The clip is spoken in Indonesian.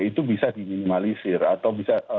itu bisa diminimalisir atau